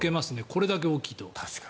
これだけ大きいと。